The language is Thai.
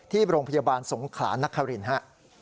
ที่โรงพยาบาลสงขลานครินฮะ